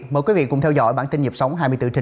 mời quý vị cùng theo dõi bản tin nhịp sống